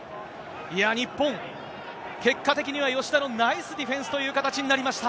いや日本、結果的には吉田のナイスディフェンスという形になりました。